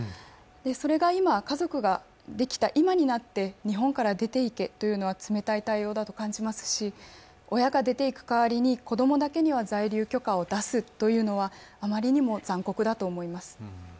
それが家族ができた今になって日本から出て行けというのは、冷たい対応だと感じますし、親が出て行く代わりに子供だけには在留許可を出すというのは、あまりにも残酷だと思います。